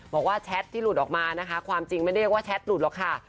แชทที่หลุดออกมานะคะความจริงไม่ได้เรียกว่าแชทหลุดหรอกค่ะ